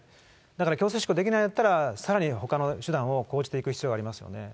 だから強制執行できないんだったら、さらにほかの手段を講じていく必要がありますよね。